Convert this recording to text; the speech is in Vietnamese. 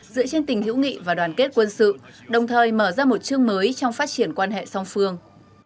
dựa trên tình hữu nghị và đoàn kết quân sự đồng thời mở ra một chương mới trong phát triển quan hệ song phương